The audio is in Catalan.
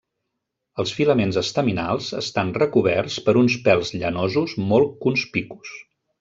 Els filaments estaminals estan recoberts per uns pèls llanosos molt conspicus.